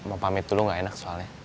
mau pamit dulu nggak enak soalnya